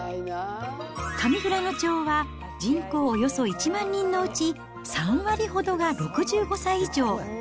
上富良野町は人口およそ１万人のうち、３割ほどが６５歳以上。